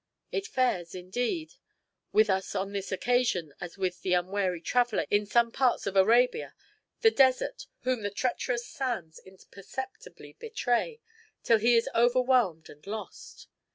_ It fares, indeed, with us on this occasion as with the unwary traveller in some parts of Arabia the desert, whom the treacherous sands imperceptibly betray till he is overwhelmed and lost.